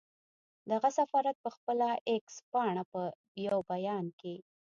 دغه سفارت پر خپله اېکس پاڼه په یو بیان کې